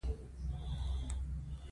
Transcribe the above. د راشن لپاره اړ شوې وه.